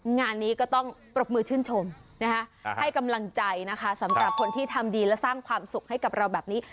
งานนี้ก็ต้องปรบมือชื่นชมนะคะให้กำลังใจนะคะสำหรับคนที่ทำดีและสร้างความสุขให้กับเราแบบนี้